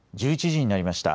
１１時になりました。